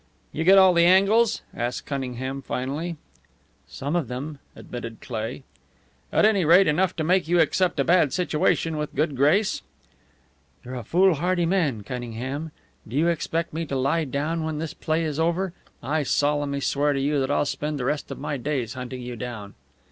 "You get all the angles?" asked Cunningham, finally. "Some of them," admitted Cleigh. "At any rate, enough to make you accept a bad situation with good grace?" "You're a foolhardy man, Cunningham. Do you expect me to lie down when this play is over? I solemnly swear to you that I'll spend the rest of my days hunting you down."